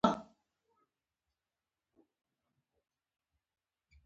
که ژوندي وي نورستان ته خامخا لاړ شئ.